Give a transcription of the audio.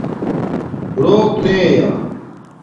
روک نے یا